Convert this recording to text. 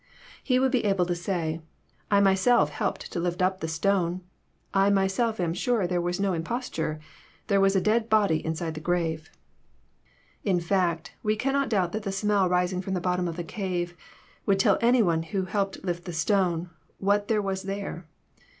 He would be able to say, I myself helped to lifb up the stone. I myself am sure there was no Imposture. There was a dead body inside the grave." In fact, we cannot doubt that the smell rising from the bottom of the cave would tell any one who helped to lift the stone what there was there.